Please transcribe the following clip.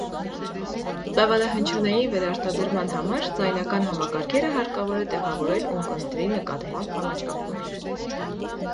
Ծավալահնչյունային վերարտադրման համար ձայնական համակարգերը հարկավոր է տեղավորել ունկնդրի նկատմամբ համաչափորեն։